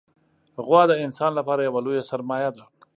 غوا د انسان لپاره یوه لویه سرمایه ده.